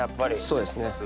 そうですね。